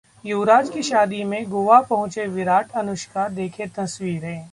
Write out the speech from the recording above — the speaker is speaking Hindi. युवराज की शादी में गोवा पहुंचे विराट-अनुष्का, देखें तस्वीरें